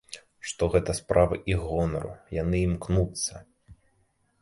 Што гэта справа іх гонару, яны імкнуцца!